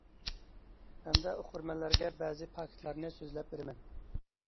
ھەمدە ئوقۇرمەنلەرگە بەزى پاكىتلارنى سۆزلەپ بېرىمەن.